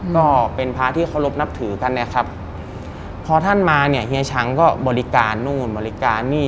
ก็เป็นพระที่เคารพนับถือกันนะครับพอท่านมาเนี่ยเฮียชังก็บริการนู่นบริการนี่